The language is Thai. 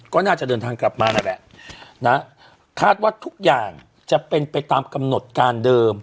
ก็น่าจะเดินทางกลับมานั่นแหละนะคาดว่าทุกอย่างจะเป็นไปตามกำหนดการเดิม